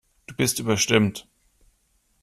Du bist überstimmt.